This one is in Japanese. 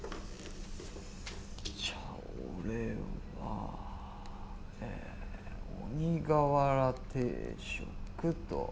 じゃあ俺はえ鬼瓦定食と。